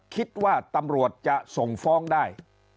คิดว่าตำรวจจะส่งฟ้องได้